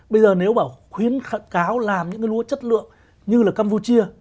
bây giờ nếu bảo khuyến kháng cáo làm những cái lúa chất lượng như là campuchia